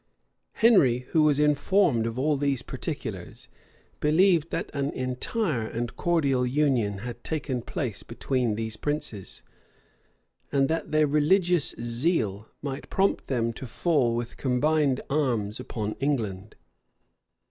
Henry, who was informed of all these particulars, believed that an entire and cordial union had taken place between these princes; and that their religious zeal might prompt them to fall with combined arms upon England.